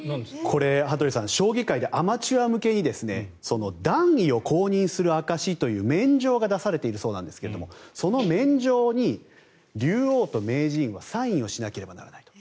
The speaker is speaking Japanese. これ、羽鳥さん将棋界でアマチュア向けに段位を公認する証しという免状が出されているそうなんですがその免状に竜王と名人はサインをしなければならない。